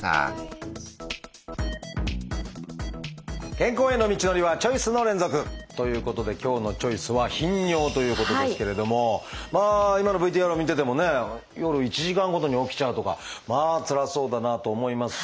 健康への道のりはチョイスの連続！ということで今日の「チョイス」はまあ今のＶＴＲを見ててもね夜１時間ごとに起きちゃうとかまあつらそうだなと思いますし。